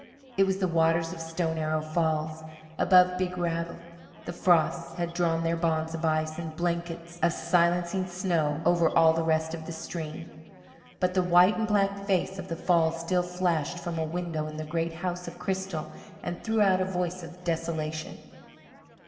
It was the waters of Stone Arrow Falls, above Big Rattle. The frosts had drawn their bonds of ice and blankets of silencing snow over all the rest of the stream, but the white and black face of the falls still flashed from a window in the great house of crystal, and threw out a voice of desolation.